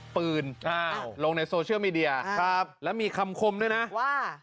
ปืนห้าวลงในมีเดียครับแล้วมีคำคมด้วยนะว่า